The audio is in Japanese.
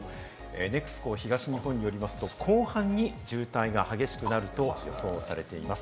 ＮＥＸＣＯ東日本によりますと後半に渋滞が激しくなると予想されています。